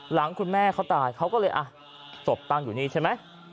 หลังคุณแม่เขาตายเขาก็เลยอ่ะศพตั้งอยู่นี่ใช่ไหม